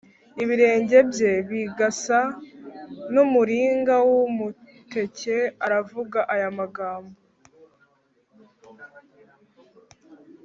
ibirenge bye bigasa n’umuringa w’umuteke aravuga aya magambo